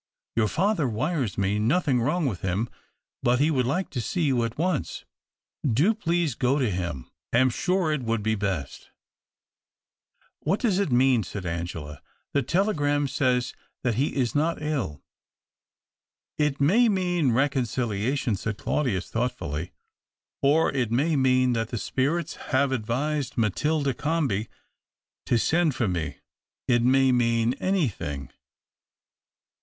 " Your father wires me nothing wrong with him, but he would like to see you at once. Do please go to him. Am sure it would be best." " What does it mean ?" said Angela. " The telegram says that he is not ill." " It may mean reconciliation," said Claudius thoughtfully, " or it may mean that the spirits have advised Matilda Comby to send for me. It may mean anything."